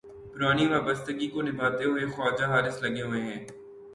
پرانی وابستگی کو نبھاتے ہوئے خواجہ حارث لگے ہوئے ہیں۔